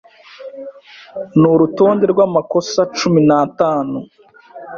ni urutonde rw’amakosa cumi natanu